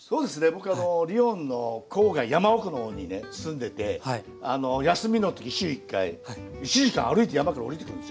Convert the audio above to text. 僕リヨンの郊外山奥の方にね住んでて休みの時週１回１時間歩いて山から下りてくるんですよ。